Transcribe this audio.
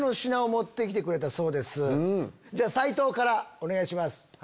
じゃあ斉藤からお願いします。